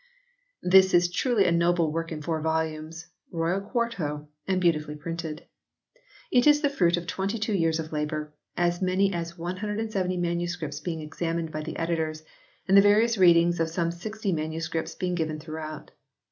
This is truly a noble work in four volumes, royal quarto, and beautifully printed. It is the fruit of twenty two years of labour, as many as 170 MSS. being examined by the editors, and the various readings of some 60 MSS. being given throughout.